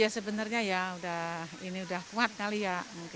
sebenarnya ya ini sudah kuat kali ya